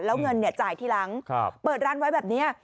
แล้วเงินจ่ายทีหลังเปิดร้านไว้แบบนี้